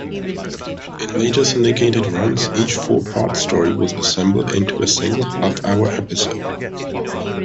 In later syndicated runs, each four-part story was assembled into a single half-hour episode.